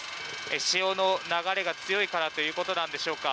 潮の流れが強いからということなんでしょうか。